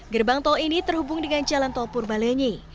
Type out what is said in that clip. gerbang tol ini terhubung dengan jalan tol purbalenyi